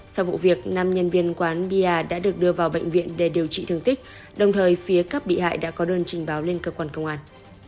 sau vụ việc năm nhân viên quán bia đã được đưa vào bệnh viện để điều trị thương tích đồng thời phía các bị hại đã có đơn trình báo lên cơ quan công an